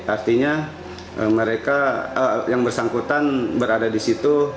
artinya mereka yang bersangkutan berada di situ